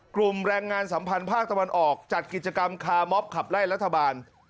แรงงานสัมพันธ์ภาคตะวันออกจัดกิจกรรมคามอบขับไล่รัฐบาล